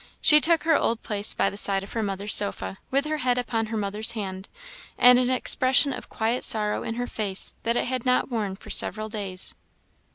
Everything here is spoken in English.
She took her old place by the side of her mother's sofa, with her head upon her mother's hand, and an expression of quiet sorrow in her face that it had not worn for several days.